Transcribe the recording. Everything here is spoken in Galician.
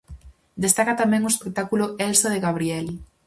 Destaca tamén o espectáculo "Elsa" de Gabrieli.